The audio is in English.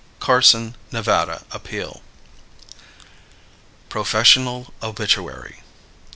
Carson (Nevada) Appeal. PROFESSIONAL OBITUARY.